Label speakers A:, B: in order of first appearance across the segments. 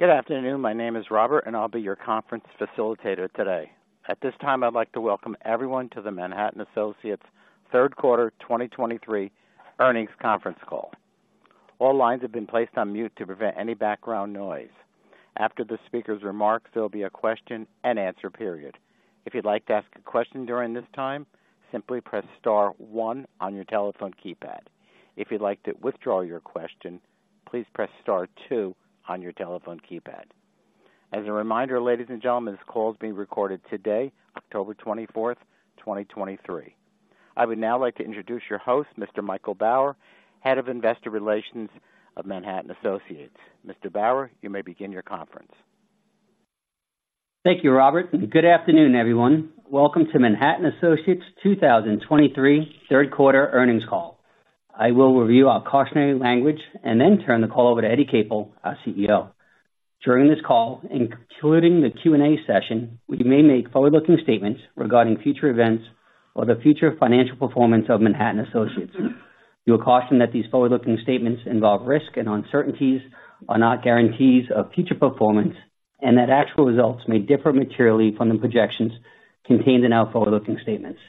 A: Good afternoon. My name is Robert, and I'll be your conference facilitator today. At this time, I'd like to welcome everyone to the Manhattan Associates Q3 2023 earnings conference call. All lines have been placed on mute to prevent any background noise. After the speaker's remarks, there will be a Q&A period. If you'd like to ask a question during this time, simply press star one on your telephone keypad. If you'd like to withdraw your question, please press star two on your telephone keypad. As a reminder, ladies and gentlemen, this call is being recorded today, October 24th, 2023. I would now like to introduce your host, Mr. Michael Bauer, Head of Investor Relations of Manhattan Associates. Mr. Bauer, you may begin your conference.
B: Thank you, Robert. Good afternoon, everyone. Welcome to Manhattan Associates 2023 Q3 earnings call. I will review our cautionary language and then turn the call over to Eddie Capel, our CEO. During this call, including the Q&A session, we may make forward-looking statements regarding future events or the future financial performance of Manhattan Associates. You are cautioned that these forward-looking statements involve risk and uncertainties, are not guarantees of future performance, and that actual results may differ materially from the projections contained in our forward-looking statements.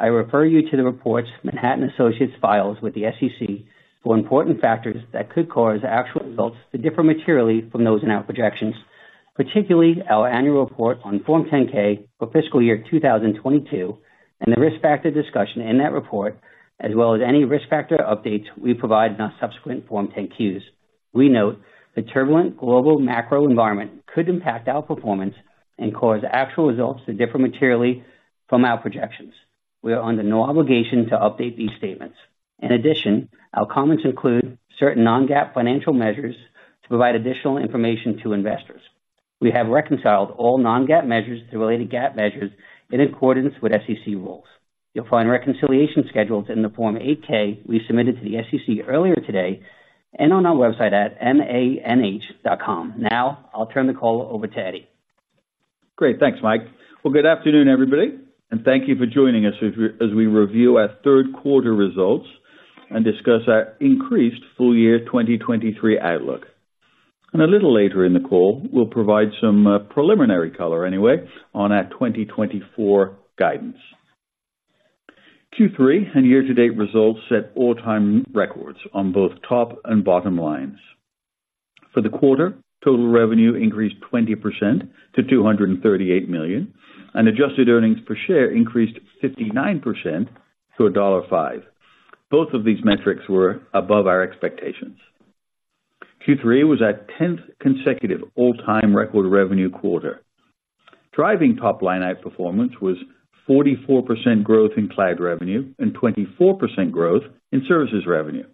B: I refer you to the reports Manhattan Associates files with the SEC for important factors that could cause actual results to differ materially from those in our projections, particularly our annual report on Form 10-K for fiscal year 2022, and the risk factor discussion in that report, as well as any risk factor updates we provide in our subsequent Form 10-Qs. We note the turbulent global macro environment could impact our performance and cause actual results to differ materially from our projections. We are under no obligation to update these statements. In addition, our comments include certain non-GAAP financial measures to provide additional information to investors. We have reconciled all non-GAAP measures to related GAAP measures in accordance with SEC rules. You'll find reconciliation schedules in the Form 8-K we submitted to the SEC earlier today and on our website at manh.com. Now I'll turn the call over to Eddie.
C: Great. Thanks, Mike. Well, good afternoon, everybody, and thank you for joining us as we review our Q3 results and discuss our increased full year 2023 outlook. A little later in the call, we'll provide some preliminary color anyway on our 2024 guidance. Q3 and year-to-date results set all-time records on both top and bottom lines. For the quarter, total revenue increased 20% to $238 million, and adjusted earnings per share increased 59% to $1.05. Both of these metrics were above our expectations. Q3 was our tenth consecutive all-time record revenue quarter. Driving top line outperformance was 44% growth in cloud revenue and 24% growth in services revenue.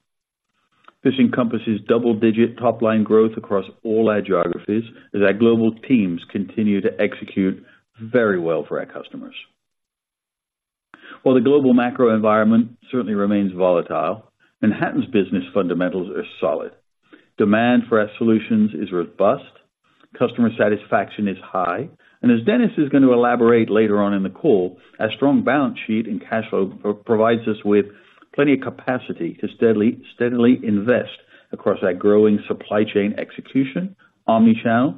C: This encompasses double-digit top line growth across all our geographies as our global teams continue to execute very well for our customers. While the global macro environment certainly remains volatile, Manhattan's business fundamentals are solid. Demand for our solutions is robust, customer satisfaction is high, and as Dennis is going to elaborate later on in the call, our strong balance sheet and cash flow provides us with plenty of capacity to steadily, steadily invest across our growing supply chain execution, omni-channel,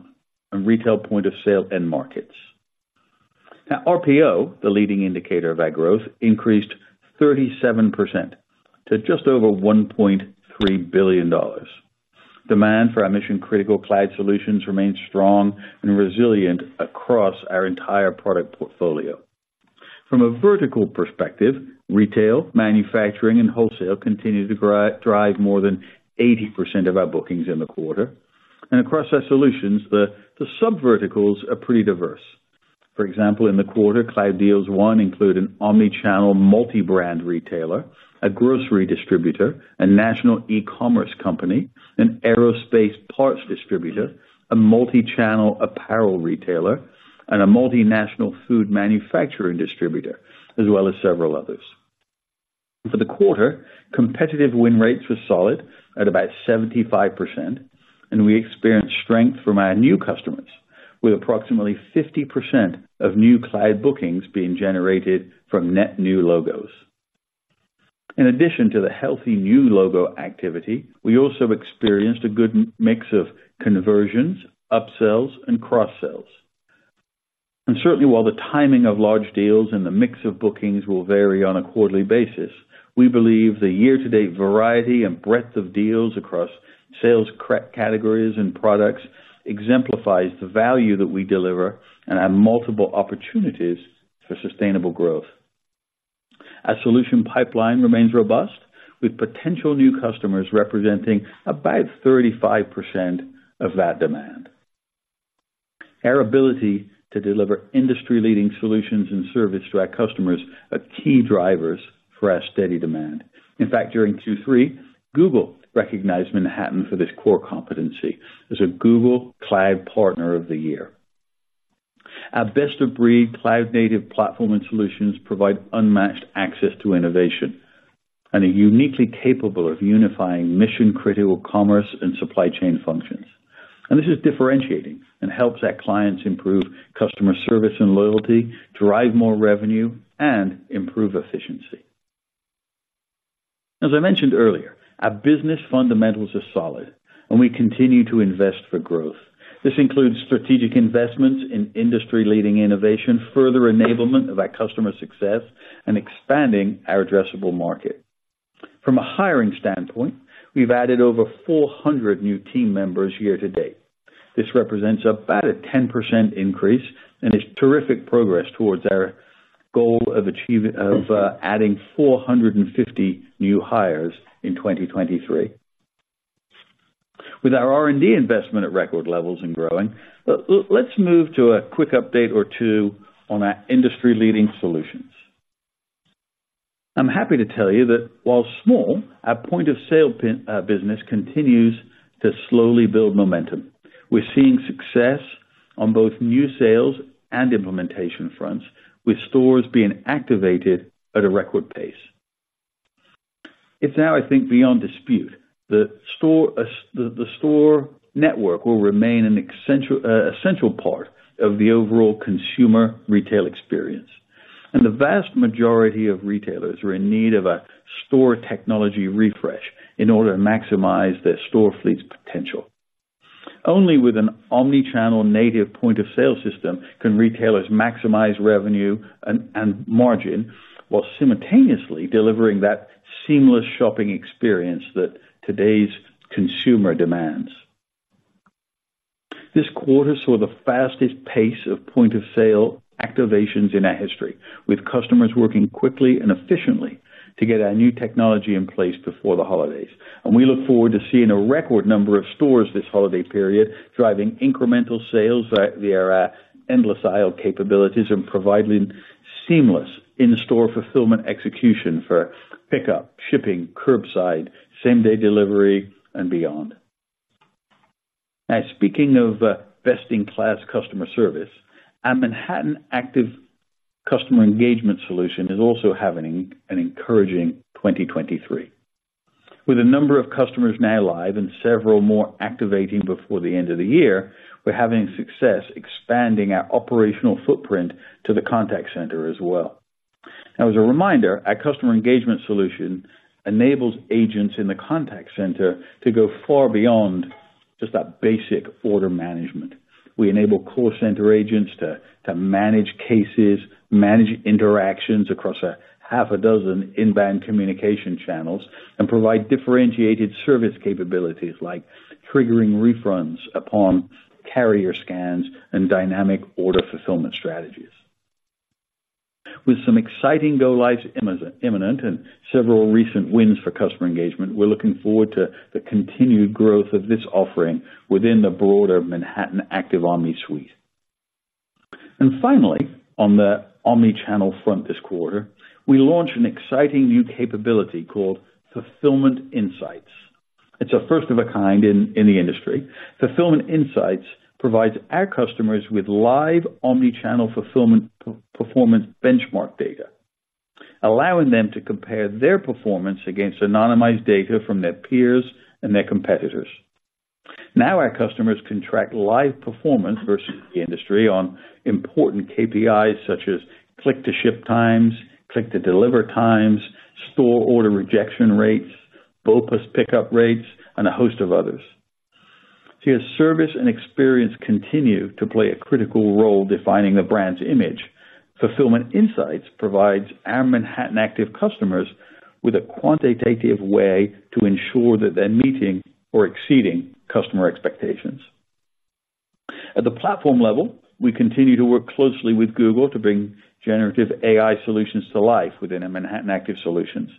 C: and retail point of sale end markets. Now RPO, the leading indicator of our growth, increased 37% to just over $1.3 billion. Demand for our mission-critical cloud solutions remains strong and resilient across our entire product portfolio. From a vertical perspective, retail, manufacturing, and wholesale continue to drive more than 80% of our bookings in the quarter. Across our solutions, the sub verticals are pretty diverse. For example, in the quarter, cloud deals won include an omni-channel multi-brand retailer, a grocery distributor, a national e-commerce company, an aerospace parts distributor, a multi-channel apparel retailer, and a multinational food manufacturing distributor, as well as several others. For the quarter, competitive win rates were solid at about 75%, and we experienced strength from our new customers, with approximately 50% of new cloud bookings being generated from net new logos. In addition to the healthy new logo activity, we also experienced a good mix of conversions, upsells, and cross-sells. And certainly, while the timing of large deals and the mix of bookings will vary on a quarterly basis, we believe the year-to-date variety and breadth of deals across sales categories and products exemplifies the value that we deliver and have multiple opportunities for sustainable growth. Our solution pipeline remains robust, with potential new customers representing about 35% of that demand. Our ability to deliver industry-leading solutions and service to our customers are key drivers for our steady demand. In fact, during Q3, Google recognized Manhattan for this core competency as a Google Cloud Partner of the Year. Our best-of-breed cloud-native platform and solutions provide unmatched access to innovation and are uniquely capable of unifying mission-critical commerce and supply chain functions. And this is differentiating and helps our clients improve customer service and loyalty, drive more revenue, and improve efficiency.... As I mentioned earlier, our business fundamentals are solid, and we continue to invest for growth. This includes strategic investments in industry-leading innovation, further enablement of our customer success, and expanding our addressable market. From a hiring standpoint, we've added over 400 new team members year to date. This represents about a 10% increase and is terrific progress towards our goal of adding 450 new hires in 2023. With our R&D investment at record levels and growing, let's move to a quick update or two on our industry-leading solutions. I'm happy to tell you that while small, our point-of-sale business continues to slowly build momentum. We're seeing success on both new sales and implementation fronts, with stores being activated at a record pace. It's now, I think, beyond dispute, the store network will remain an essential part of the overall consumer retail experience, and the vast majority of retailers are in need of a store technology refresh in order to maximize their store fleet's potential. Only with an omni-channel native point-of-sale system can retailers maximize revenue and, and margin, while simultaneously delivering that seamless shopping experience that today's consumer demands. This quarter saw the fastest pace of point-of-sale activations in our history, with customers working quickly and efficiently to get our new technology in place before the holidays. We look forward to seeing a record number of stores this holiday period, driving incremental sales via endless aisle capabilities and providing seamless in-store fulfillment execution for pickup, shipping, curbside, same-day delivery, and beyond. Now, speaking of best-in-class customer service, our Manhattan Active Customer Engagement solution is also having an encouraging 2023. With a number of customers now live and several more activating before the end of the year, we're having success expanding our operational footprint to the contact center as well. Now, as a reminder, our customer engagement solution enables agents in the contact center to go far beyond just a basic order management. We enable call center agents to manage cases, manage interactions across a half a dozen inbound communication channels, and provide differentiated service capabilities, like triggering refunds upon carrier scans and dynamic order fulfillment strategies. With some exciting go lives imminent and several recent wins for customer engagement, we're looking forward to the continued growth of this offering within the broader Manhattan Active Omni suite. And finally, on the omni-channel front this quarter, we launched an exciting new capability called Fulfillment Insights. It's a first-of-its-kind in the industry. Fulfillment Insights provides our customers with live omni-channel fulfillment performance benchmark data, allowing them to compare their performance against anonymized data from their peers and their competitors. Now, our customers can track live performance versus the industry on important KPIs, such as click-to-ship times, click-to-deliver times, store order rejection rates, BOPUS pickup rates, and a host of others. See, as service and experience continue to play a critical role defining the brand's image, Fulfillment Insights provides our Manhattan Active customers with a quantitative way to ensure that they're meeting or exceeding customer expectations. At the platform level, we continue to work closely with Google to bring Generative AI solutions to life within the Manhattan Active solutions.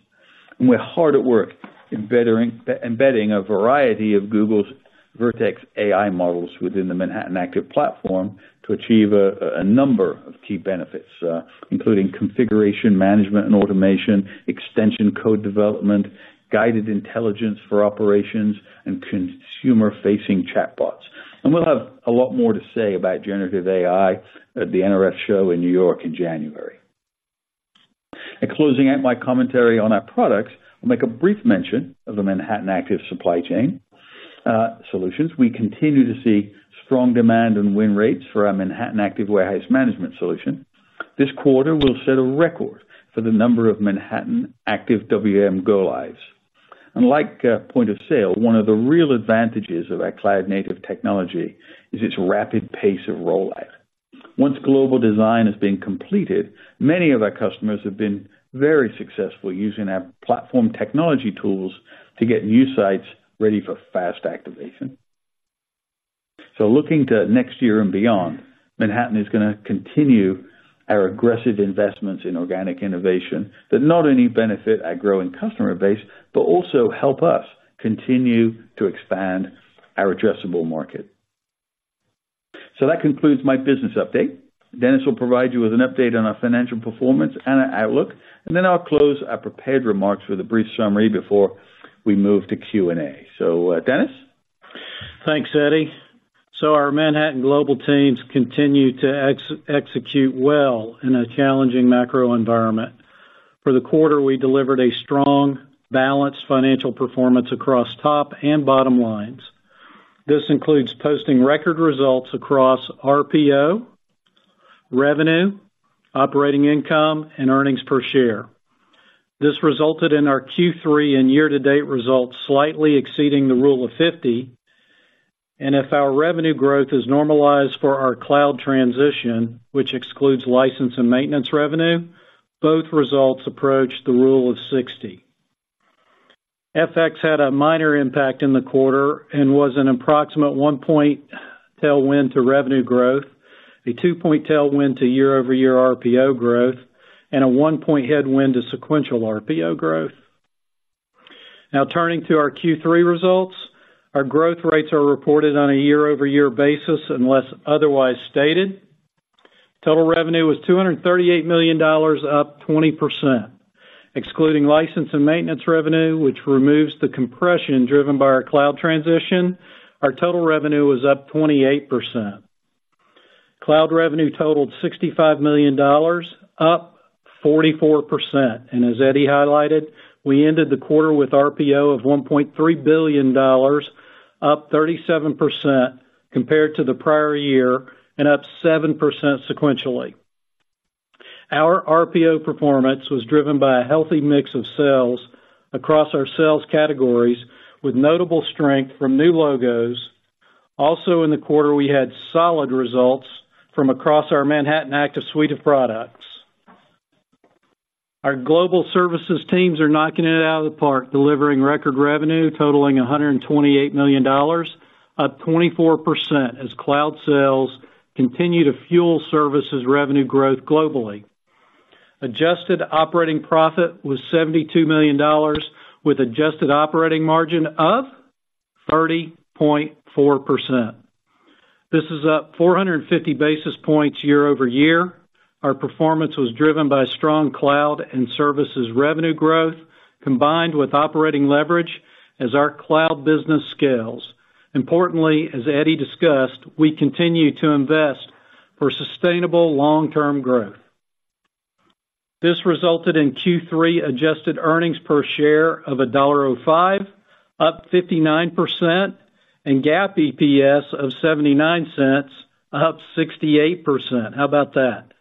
C: And we're hard at work, embedding a variety of Google's Vertex AI models within the Manhattan Active platform to achieve a number of key benefits, including configuration, management and automation, extension code development, guided intelligence for operations, and consumer-facing chatbots. We'll have a lot more to say about generative AI at the NRF show in New York in January. Closing out my commentary on our products, I'll make a brief mention of the Manhattan Active Supply Chain solutions. We continue to see strong demand and win rates for our Manhattan Active Warehouse Management solution. This quarter will set a record for the number of Manhattan Active WM go lives. Like point-of-sale, one of the real advantages of our cloud-native technology is its rapid pace of rollout. Once global design has been completed, many of our customers have been very successful using our platform technology tools to get new sites ready for fast activation. So looking to next year and beyond, Manhattan is going to continue our aggressive investments in organic innovation that not only benefit our growing customer base, but also help us continue to expand our addressable market. So that concludes my business update. Dennis will provide you with an update on our financial performance and our outlook, and then I'll close our prepared remarks with a brief summary before we move to Q&A. So, Dennis?
D: Thanks, Eddie. So our Manhattan global teams continue to execute well in a challenging macro environment. For the quarter, we delivered a strong, balanced financial performance across top and bottom lines. This includes posting record results across RPO, revenue, operating income, and earnings per share. This resulted in our Q3 and year-to-date results slightly exceeding the Rule of 50, and if our revenue growth is normalized for our cloud transition, which excludes license and maintenance revenue, both results approach the Rule of 60. FX had a minor impact in the quarter and was an approximate 1-point tailwind to revenue growth, a 2-point tailwind to year-over-year RPO growth, and a 1-point headwind to sequential RPO growth. Now, turning to our Q3 results, our growth rates are reported on a year-over-year basis, unless otherwise stated. Total revenue was $238 million, up 20%. Excluding license and maintenance revenue, which removes the compression driven by our cloud transition, our total revenue was up 28%. Cloud revenue totaled $65 million, up 44%, and as Eddie highlighted, we ended the quarter with RPO of $1.3 billion, up 37% compared to the prior year and up 7% sequentially. Our RPO performance was driven by a healthy mix of sales across our sales categories, with notable strength from new logos. Also, in the quarter, we had solid results from across our Manhattan Active suite of products. Our global services teams are knocking it out of the park, delivering record revenue totaling $128 million, up 24%, as cloud sales continue to fuel services revenue growth globally. Adjusted operating profit was $72 million, with adjusted operating margin of 30.4%. This is up 450 basis points year-over-year. Our performance was driven by strong cloud and services revenue growth, combined with operating leverage as our cloud business scales. Importantly, as Eddie discussed, we continue to invest for sustainable long-term growth. This resulted in Q3 adjusted earnings per share of $1.05, up 59%, and GAAP EPS of $0.79, up 68%. How about that?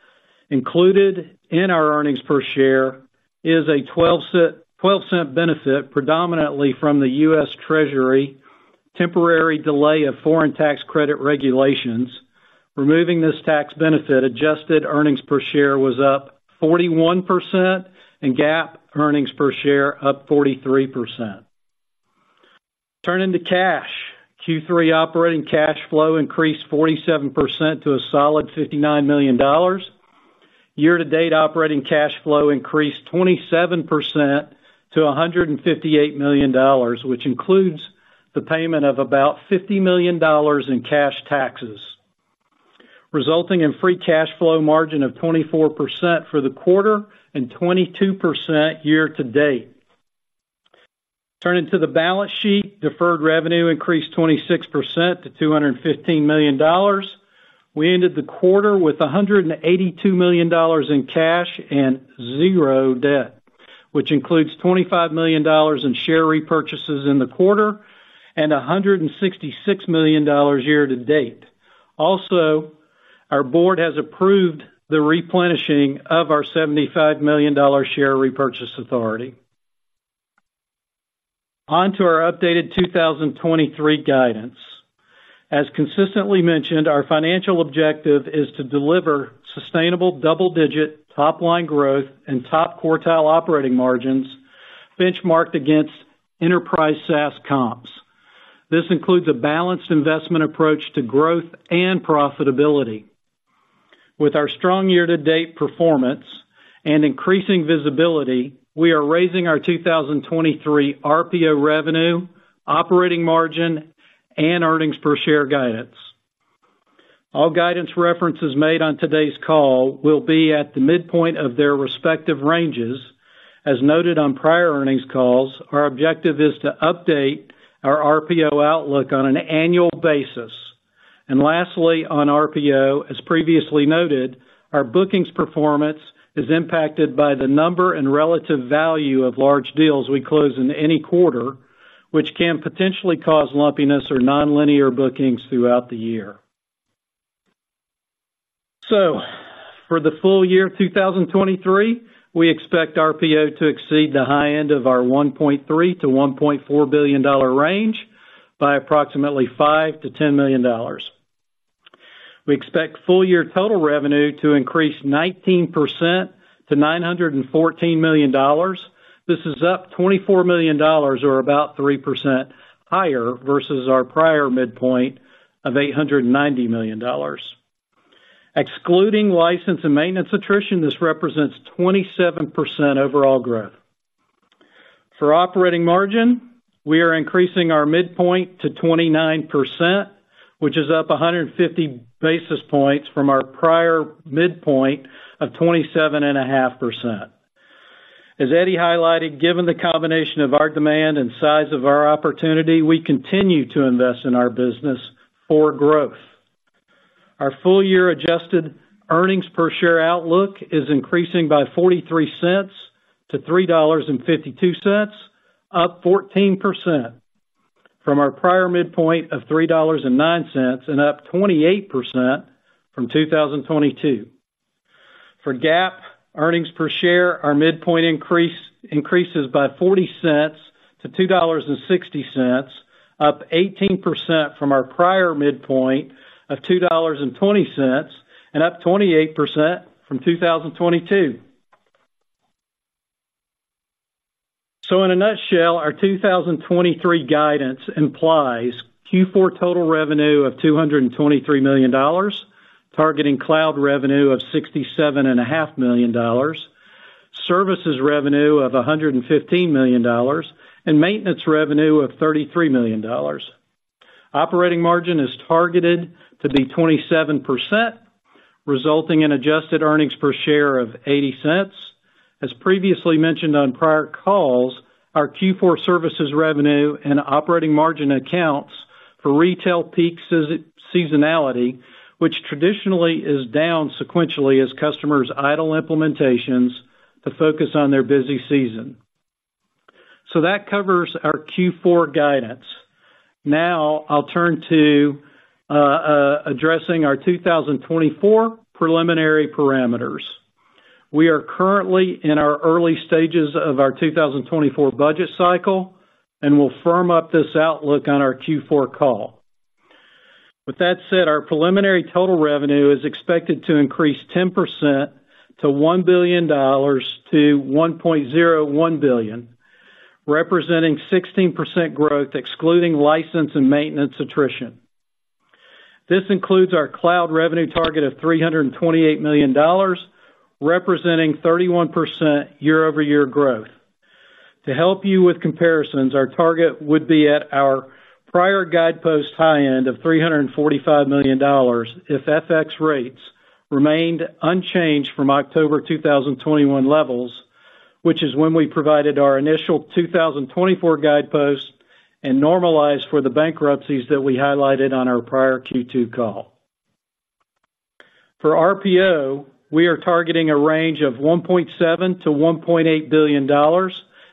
D: Included in our earnings per share is a 12-cent benefit, predominantly from the US Treasury temporary delay of foreign tax credit regulations. Removing this tax benefit, adjusted earnings per share was up 41% and GAAP earnings per share up 43%. Turning to cash. Q3 operating cash flow increased 47% to a solid $59 million. Year-to-date operating cash flow increased 27% to $158 million, which includes the payment of about $50 million in cash taxes, resulting in free cash flow margin of 24% for the quarter and 22% year-to-date. Turning to the balance sheet, deferred revenue increased 26% to $215 million. We ended the quarter with $182 million in cash and 0 debt, which includes $25 million in share repurchases in the quarter and $166 million year to date. Also, our board has approved the replenishing of our $75 million share repurchase authority. On to our updated 2023 guidance. As consistently mentioned, our financial objective is to deliver sustainable double-digit top-line growth and top-quartile operating margins benchmarked against enterprise SaaS comps. This includes a balanced investment approach to growth and profitability. With our strong year-to-date performance and increasing visibility, we are raising our 2023 RPO revenue, operating margin, and earnings per share guidance. All guidance references made on today's call will be at the midpoint of their respective ranges. As noted on prior earnings calls, our objective is to update our RPO outlook on an annual basis. Lastly, on RPO, as previously noted, our bookings performance is impacted by the number and relative value of large deals we close in any quarter, which can potentially cause lumpiness or nonlinear bookings throughout the year. For the full year 2023, we expect RPO to exceed the high end of our $1.3 billion-$1.4 billion range by approximately $5 million-$10 million. We expect full year total revenue to increase 19% to $914 million. This is up $24 million or about 3% higher versus our prior midpoint of $890 million. Excluding license and maintenance attrition, this represents 27% overall growth. For operating margin, we are increasing our midpoint to 29%, which is up 150 basis points from our prior midpoint of 27.5%. As Eddie highlighted, given the combination of our demand and size of our opportunity, we continue to invest in our business for growth. Our full-year adjusted earnings per share outlook is increasing by $0.43-$3.52, up 14% from our prior midpoint of $3.09 and up 28% from 2022. For GAAP earnings per share, our midpoint increase increases by $0.40-$2.60, up 18% from our prior midpoint of $2.20, and up 28% from 2022. So in a nutshell, our 2023 guidance implies Q4 total revenue of $223 million, targeting Cloud Revenue of $67.5 million, Services Revenue of $115 million, and maintenance revenue of $33 million. Operating margin is targeted to be 27%, resulting in adjusted earnings per share of $0.80. As previously mentioned on prior calls, our Q4 Services Revenue and operating margin accounts for retail peak seasonality, which traditionally is down sequentially as customers idle implementations to focus on their busy season. So that covers our Q4 guidance. Now I'll turn to addressing our 2024 preliminary parameters. We are currently in our early stages of our 2024 budget cycle, and we'll firm up this outlook on our Q4 call. With that said, our preliminary total revenue is expected to increase 10% to $1 billion to $1.01 billion, representing 16% growth, excluding license and maintenance attrition. This includes our cloud revenue target of $328 million, representing 31% year-over-year growth. To help you with comparisons, our target would be at our prior guidepost high end of $345 million if FX rates remained unchanged from October 2021 levels, which is when we provided our initial 2024 guidepost and normalized for the bankruptcies that we highlighted on our prior Q2 call. For RPO, we are targeting a range of $1.7 billion-$1.8 billion.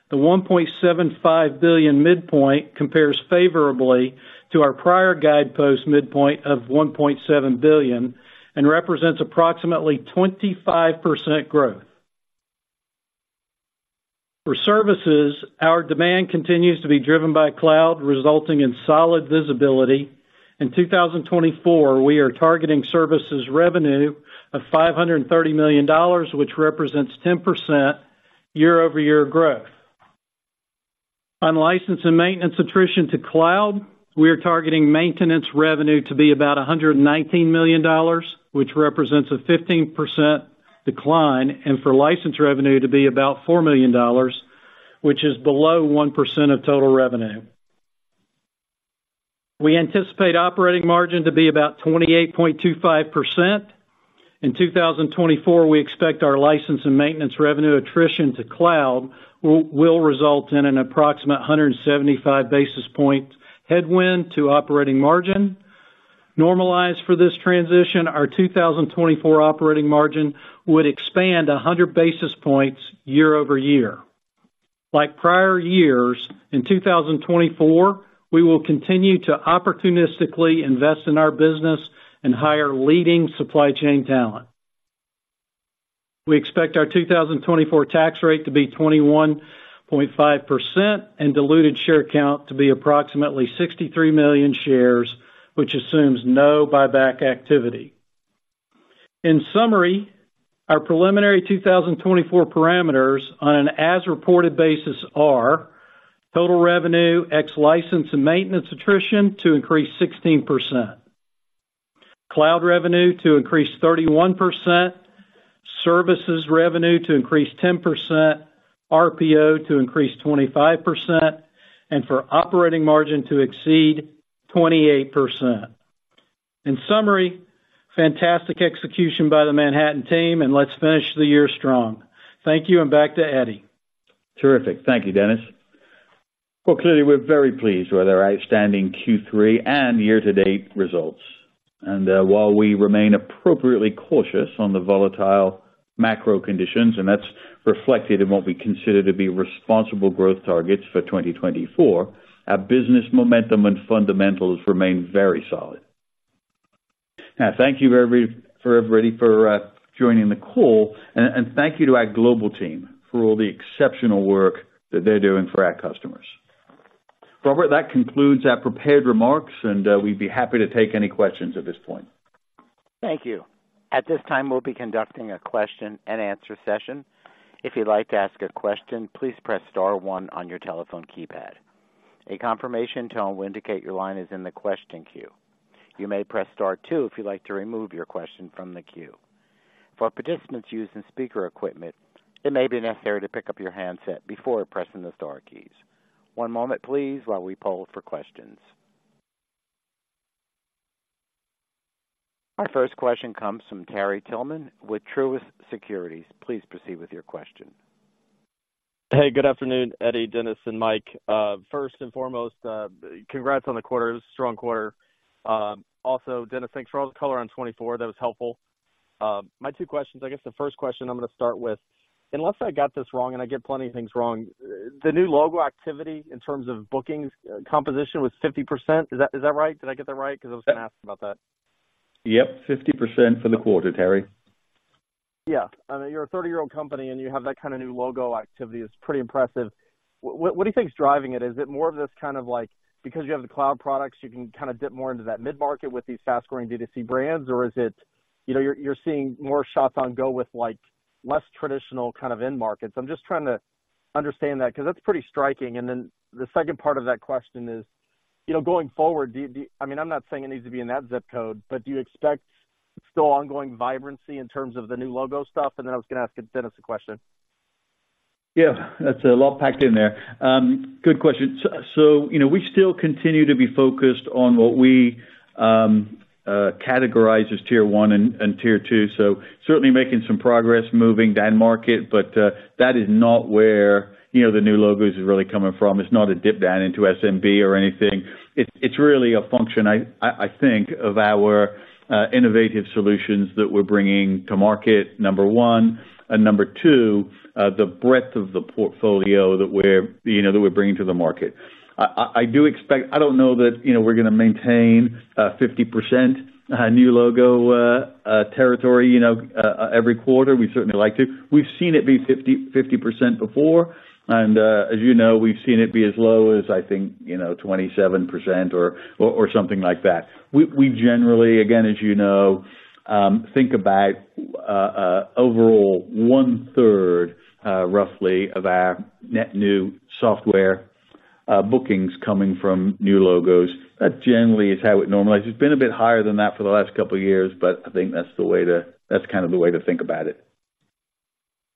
D: The $1.75 billion midpoint compares favorably to our prior guidepost midpoint of $1.7 billion and represents approximately 25% growth. For services, our demand continues to be driven by cloud, resulting in solid visibility. In 2024, we are targeting services revenue of $530 million, which represents 10% year-over-year growth. On license and maintenance attrition to cloud, we are targeting maintenance revenue to be about $119 million, which represents a 15% decline, and for license revenue to be about $4 million, which is below 1% of total revenue. We anticipate operating margin to be about 28.25%. In 2024, we expect our license and maintenance revenue attrition to cloud will result in an approximate 175 basis point headwind to operating margin. Normalized for this transition, our 2024 operating margin would expand 100 basis points year-over-year. Like prior years, in 2024, we will continue to opportunistically invest in our business and hire leading supply chain talent. We expect our 2024 tax rate to be 21.5% and diluted share count to be approximately 63 million shares, which assumes no buyback activity. In summary, our preliminary 2024 parameters on an as-reported basis are: total revenue, ex license and maintenance attrition, to increase 16%, cloud revenue to increase 31%, services revenue to increase 10%, RPO to increase 25%, and for operating margin to exceed 28%. In summary, fantastic execution by the Manhattan team, and let's finish the year strong. Thank you, and back to Eddie.
C: Terrific. Thank you, Dennis. Well, clearly, we're very pleased with our outstanding Q3 and year-to-date results. And while we remain appropriately cautious on the volatile macro conditions, and that's reflected in what we consider to be responsible growth targets for 2024, our business momentum and fundamentals remain very solid. Now, thank you, everybody for joining the call, and thank you to our global team for all the exceptional work that they're doing for our customers. Robert, that concludes our prepared remarks, and we'd be happy to take any questions at this point.
A: Thank you. At this time, we'll be conducting a Q&A session. If you'd like to ask a question, please press star one on your telephone keypad. A confirmation tone will indicate your line is in the question queue. You may press star two if you'd like to remove your question from the queue. For participants using speaker equipment, it may be necessary to pick up your handset before pressing the star keys. One moment, please, while we poll for questions. Our first question comes from Terry Tillman with Truist Securities. Please proceed with your question.
E: Hey, good afternoon, Eddie, Dennis, and Mike. First and foremost, congrats on the quarter. It was a strong quarter. Also, Dennis, thanks for all the color on 2024. That was helpful.... My two questions, I guess the first question I'm gonna start with, unless I got this wrong, and I get plenty of things wrong, the new logo activity in terms of bookings, composition was 50%. Is that, is that right? Did I get that right? Because I was gonna ask about that.
C: Yep, 50% for the quarter, Terry.
E: Yeah. I mean, you're a 30-year-old company, and you have that kind of new logo activity is pretty impressive. What, what do you think is driving it? Is it more of this kind of like, because you have the cloud products, you can kind of dip more into that mid-market with these fast-growing D2C brands? Or is it, you know, you're, you're seeing more shots on go with, like, less traditional kind of end markets? I'm just trying to understand that, because that's pretty striking. And then the second part of that question is, you know, going forward, do you, do you -- I mean, I'm not saying it needs to be in that zip code, but do you expect still ongoing vibrancy in terms of the new logo stuff? And then I was gonna ask Dennis a question.
C: Yeah, that's a lot packed in there. Good question. So, you know, we still continue to be focused on what we categorize as tier one and tier two, so certainly making some progress moving down market, but that is not where, you know, the new logos is really coming from. It's not a dip down into SMB or anything. It's really a function, I think, of our innovative solutions that we're bringing to market, number one, and number two, the breadth of the portfolio that we're, you know, that we're bringing to the market. I do expect... I don't know that, you know, we're gonna maintain 50% new logo territory, you know, every quarter. We certainly like to. We've seen it be 50-50% before, and, as you know, we've seen it be as low as I think, you know, 27% or something like that. We generally, again, as you know, think about overall one third, roughly of our net new software bookings coming from new logos. That generally is how it normalizes. It's been a bit higher than that for the last couple of years, but I think that's the way to, that's kind of the way to think about it.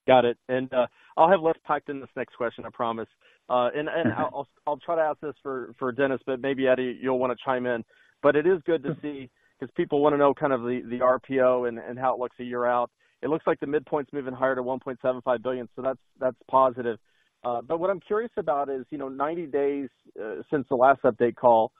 E: Got it. And, I'll have less packed in this next question, I promise. And I'll try to ask this for Dennis, but maybe, Eddie, you'll wanna chime in. But it is good to see, because people wanna know kind of the RPO and how it looks a year out. It looks like the midpoint's moving higher to $1.75 billion, so that's positive. But what I'm curious about is, you know, 90 days since the last update call,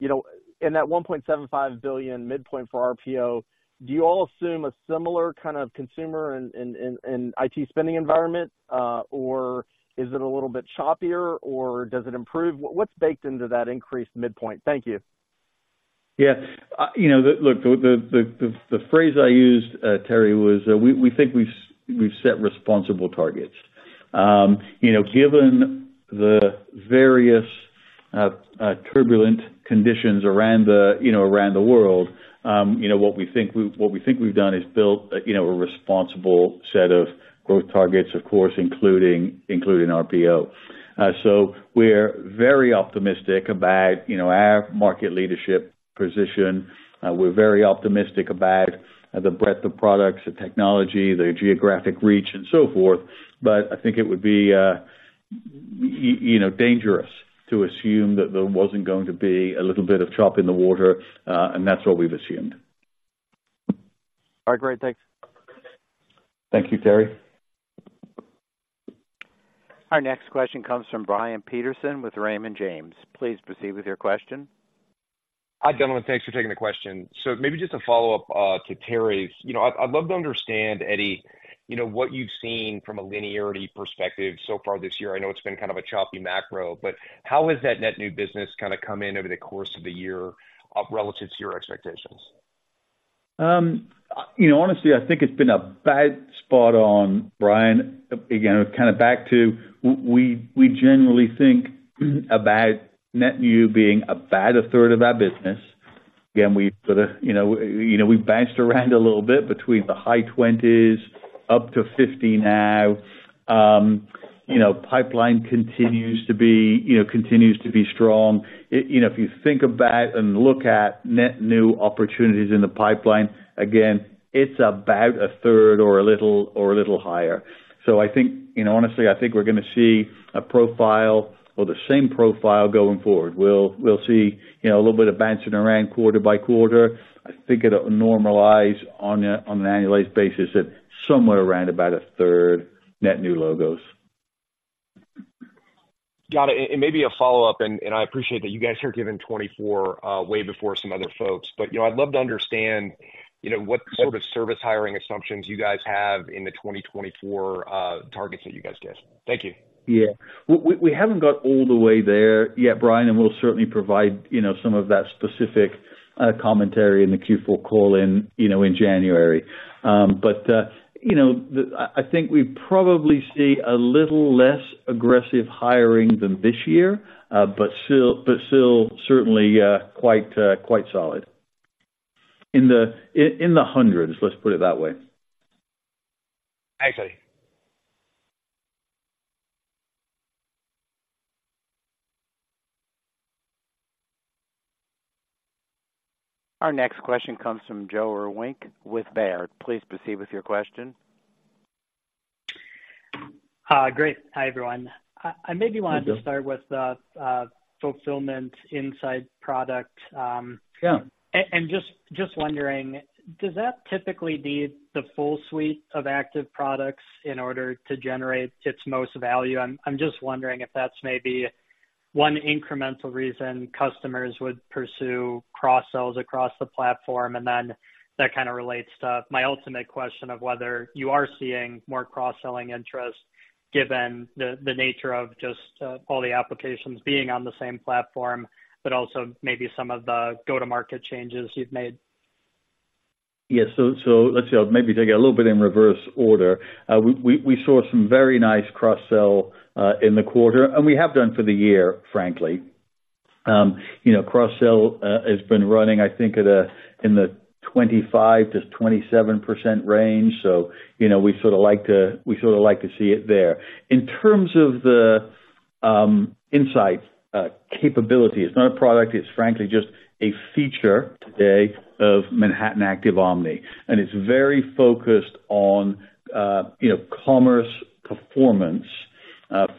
E: you know, in that $1.75 billion midpoint for RPO, do you all assume a similar kind of consumer and IT spending environment, or is it a little bit choppier, or does it improve? What's baked into that increased midpoint? Thank you.
C: Yeah. You know, look, the phrase I used, Terry, was we think we've set responsible targets. You know, given the various turbulent conditions around the world, you know, what we think we've done is built a responsible set of growth targets, of course, including RPO. So we're very optimistic about, you know, our market leadership position. We're very optimistic about the breadth of products, the technology, the geographic reach, and so forth. But I think it would be, you know, dangerous to assume that there wasn't going to be a little bit of chop in the water, and that's what we've assumed.
E: All right, great. Thanks.
C: Thank you, Terry.
A: Our next question comes from Brian Peterson with Raymond James. Please proceed with your question.
F: Hi, gentlemen. Thanks for taking the question. So maybe just a follow-up to Terry's. You know, I'd love to understand, Eddie, you know, what you've seen from a linearity perspective so far this year. I know it's been kind of a choppy macro, but how has that net new business kind of come in over the course of the year, relative to your expectations?
C: You know, honestly, I think it's been a bad spot on, Brian. Again, kind of back to we generally think about net new being about a third of our business. Again, we've sort of, you know, you know, we've bounced around a little bit between the high 20s, up to 50 now. You know, pipeline continues to be, you know, continues to be strong. It, you know, if you think about and look at net new opportunities in the pipeline, again, it's about a third or a little, or a little higher. So I think, you know, honestly, I think we're gonna see a profile or the same profile going forward. We'll, we'll see, you know, a little bit of bouncing around quarter by quarter. I think it'll normalize on a, on an annualized basis at somewhere around about a third net new logos.
F: Got it. And maybe a follow-up, I appreciate that you guys are giving 24, way before some other folks, but, you know, I'd love to understand, you know, what sort of service hiring assumptions you guys have in the 2024 targets that you guys gave. Thank you.
C: Yeah. We haven't got all the way there yet, Brian, and we'll certainly provide, you know, some of that specific commentary in the Q4 call in, you know, in January. But, you know, I think we probably see a little less aggressive hiring than this year, but still, but still certainly quite solid. In the hundreds, let's put it that way.
F: Thanks, Eddie.
A: Our next question comes from Joe Vruwink with Baird. Please proceed with your question.
G: Great. Hi, everyone. I maybe wanted-
C: Hi, Joe.
G: to start with the Fulfillment Insights product.
C: Yeah.
G: And just, just wondering, does that typically need the full suite of active products in order to generate its most value? I'm, I'm just wondering if that's maybe one incremental reason customers would pursue cross-sells across the platform, and then that kind of relates to my ultimate question of whether you are seeing more cross-selling interest, given the nature of just all the applications being on the same platform, but also maybe some of the go-to-market changes you've made?
C: Yes. So let's see, I'll maybe take it a little bit in reverse order. We saw some very nice cross-sell in the quarter, and we have done for the year, frankly. You know, cross-sell has been running, I think, at a in the 25%-27% range. So, you know, we sort of like to, we sort of like to see it there. In terms of the insight capability, it's not a product, it's frankly just a feature today of Manhattan Active Omni, and it's very focused on, you know, commerce performance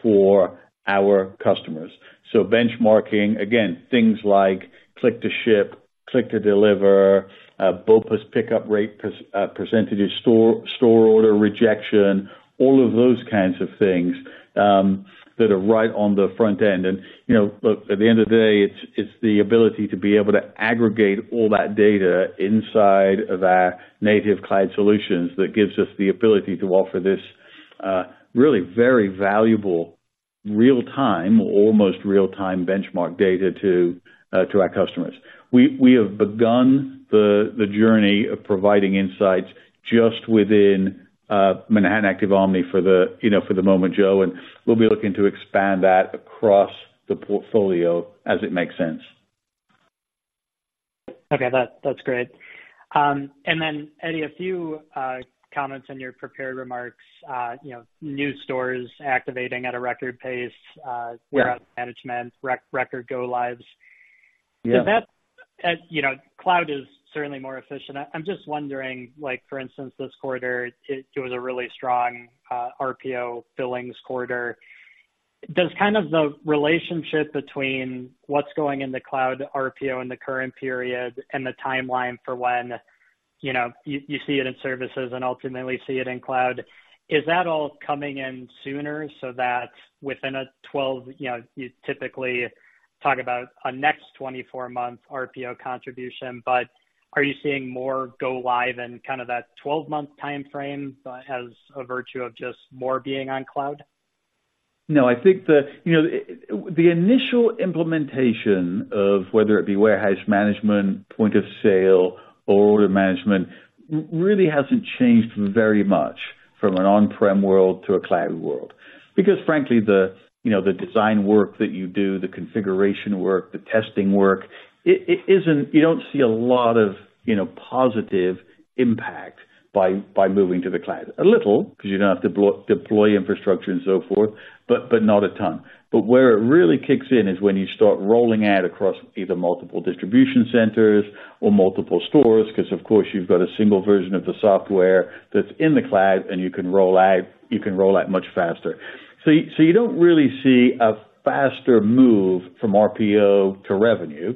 C: for our customers. So benchmarking, again, things like click to ship, click to deliver, BOPUS pickup rate, percentage of store order rejection, all of those kinds of things that are right on the front end. You know, look, at the end of the day, it's the ability to be able to aggregate all that data inside of our native cloud solutions that gives us the ability to offer this really very valuable, real-time, almost real-time benchmark data to our customers. We have begun the journey of providing insights just within Manhattan Active Omni for the, you know, for the moment, Joe, and we'll be looking to expand that across the portfolio as it makes sense.
G: Okay. That's great. And then, Eddie, a few comments on your prepared remarks. You know, new stores activating at a record pace.
C: Yeah.
G: Warehouse management, record go lives.
C: Yeah.
G: Does that... As you know, cloud is certainly more efficient. I'm just wondering, like, for instance, this quarter, it was a really strong RPO billings quarter. Does kind of the relationship between what's going in the cloud RPO in the current period and the timeline for when, you know, you see it in services and ultimately see it in cloud, is that all coming in sooner so that within a 12, you know, you typically talk about a next 24-month RPO contribution, but are you seeing more go live in kind of that 12-month timeframe, but as a virtue of just more being on cloud?
C: No, I think the, you know, the initial implementation of whether it be warehouse management, point of sale or order management, really hasn't changed very much from an on-prem world to a cloud world. Because frankly, the, you know, the design work that you do, the configuration work, the testing work, it isn't— You don't see a lot of, you know, positive impact by moving to the cloud. A little, because you don't have to deploy infrastructure and so forth, but not a ton. But where it really kicks in is when you start rolling out across either multiple distribution centers or multiple stores, because of course, you've got a single version of the software that's in the cloud, and you can roll out, you can roll out much faster. So you don't really see a faster move from RPO to revenue.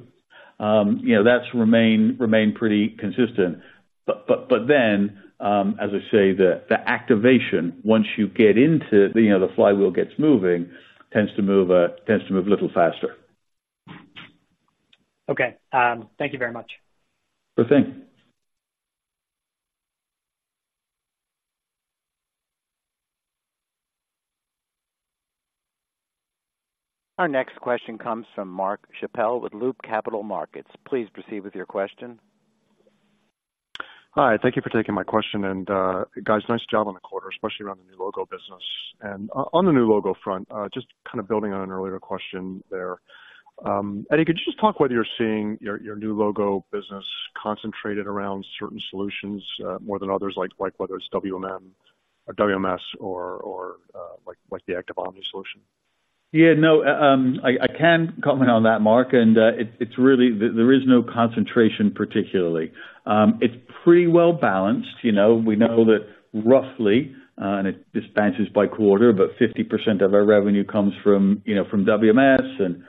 C: You know, that's remained pretty consistent. But then, as I say, the activation, once you get into, you know, the flywheel gets moving, tends to move a little faster.
G: Okay. Thank you very much.
C: Sure thing.
A: Our next question comes from Mark Schappell with Loop Capital Markets. Please proceed with your question.
H: Hi, thank you for taking my question, and, guys, nice job on the quarter, especially around the new logo business. And on the new logo front, just kind of building on an earlier question there. Eddie, could you just talk whether you're seeing your, your new logo business concentrated around certain solutions, more than others, like, like whether it's WMS or WMS or, or, like, like the Active Omni solution?
C: Yeah, no, I can comment on that, Mark, and it, it's really... There is no concentration particularly. It's pretty well balanced. You know, we know that roughly, and it varies by quarter, but 50% of our revenue comes from, you know, from WMS and,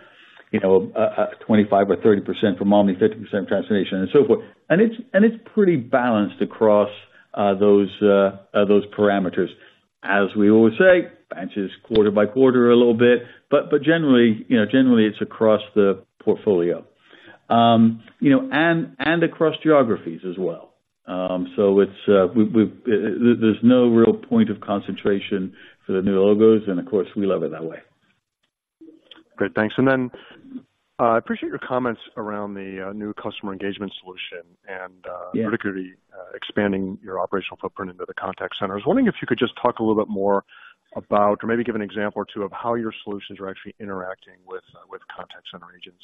C: you know, 25% or 30% from Omni, 50% transformation and so forth. And it's pretty balanced across those parameters. As we always say, varies quarter by quarter a little bit, but generally, you know, generally it's across the portfolio. You know, and across geographies as well. So it's, there's no real point of concentration for the new logos, and of course, we love it that way.
H: Great, thanks. Then, I appreciate your comments around the new customer engagement solution and,
C: Yeah...
H: particularly, expanding your operational footprint into the contact centers. I was wondering if you could just talk a little bit more about, or maybe give an example or two, of how your solutions are actually interacting with, with contact center agents.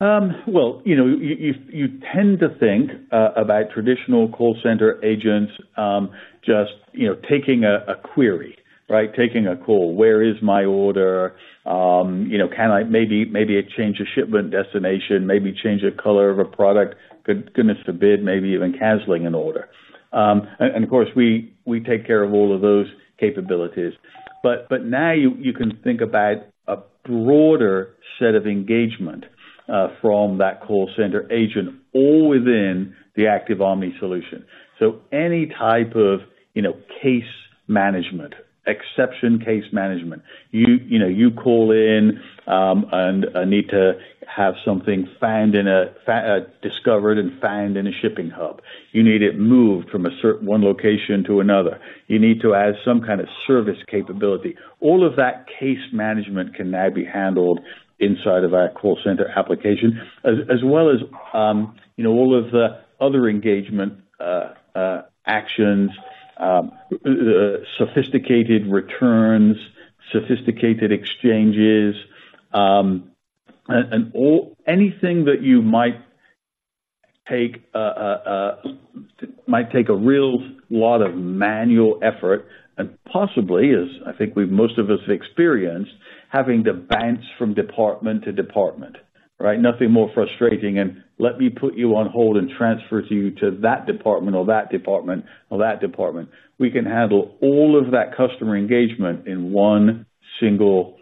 C: Well, you know, you tend to think about traditional call center agents, just you know, taking a query, right? Taking a call. Where is my order? You know, can I maybe a change of shipment destination, maybe change a color of a product, goodness forbid, maybe even canceling an order. And of course we take care of all of those capabilities. But now you can think about a broader set of engagement from that call center agent all within the Active Omni solution. So any type of, you know, case management, exception case management. You know, you call in and need to have something found in a discovered and found in a shipping hub. You need it moved from a certain one location to another. You need to add some kind of service capability. All of that case management can now be handled inside of our call center application, as well as, you know, all of the other engagement actions, sophisticated returns, sophisticated exchanges, and anything that you might take might take a real lot of manual effort and possibly is. I think we've, most of us have experienced, having to bounce from department to department, right? Nothing more frustrating, and let me put you on hold and transfer to you to that department or that department or that department. We can handle all of that customer engagement in one single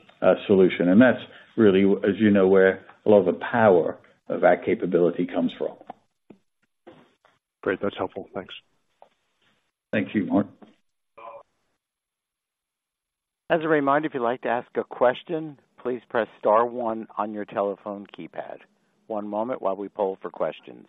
C: solution, and that's really, as you know, where a lot of the power of that capability comes from.
H: Great. That's helpful. Thanks.
C: Thank you, Mark.
A: As a reminder, if you'd like to ask a question, please press star one on your telephone keypad. One moment while we poll for questions.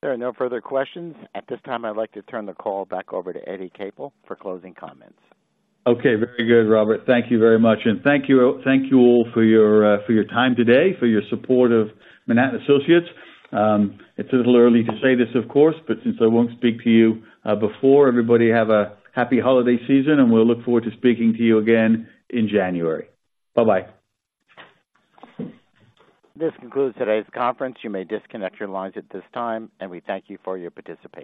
A: There are no further questions. At this time, I'd like to turn the call back over to Eddie Capel for closing comments.
C: Okay, very good, Robert. Thank you very much, and thank you, thank you all for your time today, for your support of Manhattan Associates. It's a little early to say this, of course, but since I won't speak to you before, everybody, have a happy holiday season, and we'll look forward to speaking to you again in January. Bye-bye.
A: This concludes today's conference. You may disconnect your lines at this time, and we thank you for your participation.